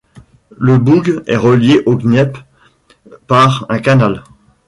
Le Boug est relié au Dniepr par un canal.